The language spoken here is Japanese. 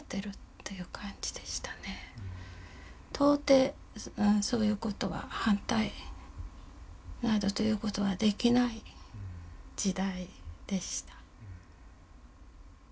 到底そういうことは反対などということはできない時代でした。